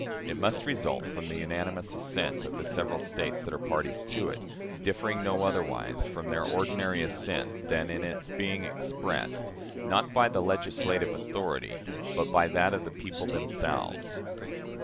It must result from the unanimous assent of the several States that are parties to it, differing no otherwise from their ordinary assent than in its being expressed, not by the legislative authority, but by that of the people themselves.